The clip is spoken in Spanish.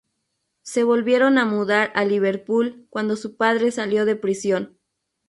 Se volvieron a mudar a Liverpool cuando su padre salió de prisión.